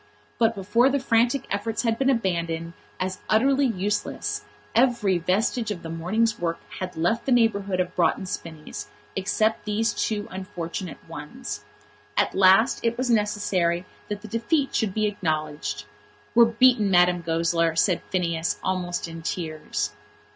But before the frantic efforts had been abandoned as utterly useless every vestige of the morning's work had left the neighbourhood of Broughton Spinnies, except these two unfortunate ones. At last it was necessary that the defeat should be acknowledged. "We're beaten, Madame Goesler," said Phineas, almost in tears.